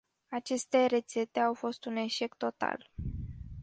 Aceste rețete au fost un eșec total.